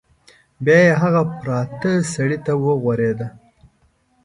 بیا یې هغه پراته سړي ته وغوریده.